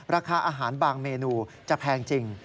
ราคาอาหารบางเมนูจะแพงจริง